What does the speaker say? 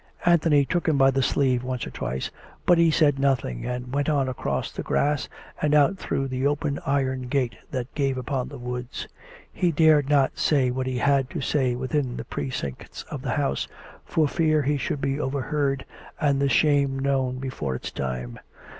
Anthony took him by the sleeve once or twice, but he said nothing, and went on across the grass, and out through the open iron gate that gave upon the woods. He dared not say what he had to say within the precincts of the house, for fear he should be overheard and the shame known before its time.